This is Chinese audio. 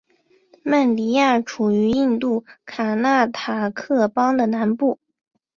曼迪亚处于印度卡纳塔克邦的南部。